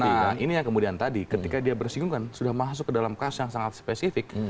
nah ini yang kemudian tadi ketika dia bersinggungan sudah masuk ke dalam kasus yang sangat spesifik